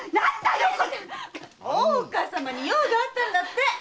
大岡様に用があったんだって！